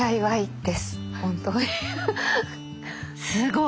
すごい！